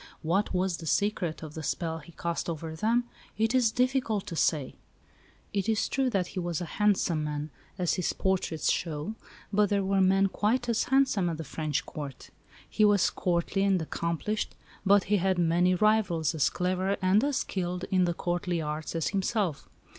What was the secret of the spell he cast over them it is difficult to say. It is true that he was a handsome man, as his portraits show, but there were men quite as handsome at the French Court; he was courtly and accomplished, but he had many rivals as clever and as skilled in courtly arts as himself.